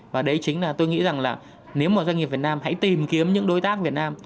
và đấy chính là tôi nghĩ rằng là nếu mà doanh nghiệp việt nam hãy tìm kiếm những đối tác việt nam